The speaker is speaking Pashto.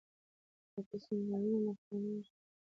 کله په سيمينارونو کې مخامخېږو.